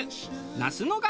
那須野ヶ